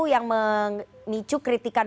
yang memicu kritikan